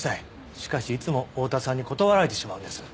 しかしいつも大多さんに断られてしまうんです。